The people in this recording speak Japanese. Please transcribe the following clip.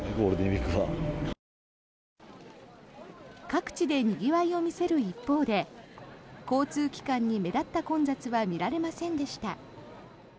各地でにぎわいを見せる一方で交通機関に目立った混雑は見られませんでした。